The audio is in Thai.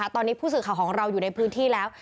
ตอนนี้ผู้สื่อข่าวของเราอยู่ในพื้นที่แล้ว